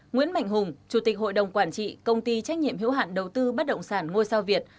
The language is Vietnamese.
nguyễn mạnh hùng chủ tịch hội đồng quản trị công ty trách nhiệm hữu hạn đầu tư bất động sản ngôi sao việt